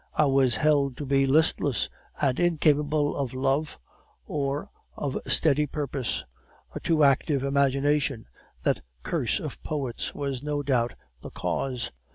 I was held to be listless and incapable of love or of steady purpose; a too active imagination, that curse of poets, was no doubt the cause.